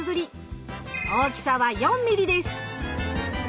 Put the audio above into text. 大きさは４ｍｍです。